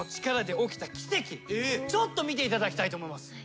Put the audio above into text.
ちょっと見ていただきたいと思います。